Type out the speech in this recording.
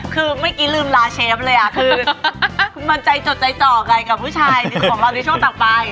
คือเมื่อกี้ลืมลาเชฟเลยอ่ะคือมันใจจดใจจ่อกันกับผู้ชายของเราในช่วงต่อไป